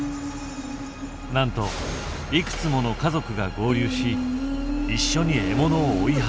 なんといくつもの家族が合流し一緒に獲物を追い始めた。